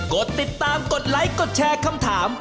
กดติดตามกดไลค์กดแชร์คำถาม